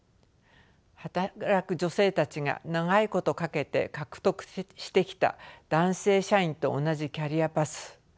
働く女性たちが長いことかけて獲得してきた男性社員と同じキャリアパス。